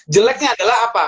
jeleknya adalah apa